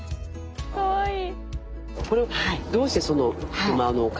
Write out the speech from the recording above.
かわいい。